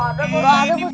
nggak ada busuk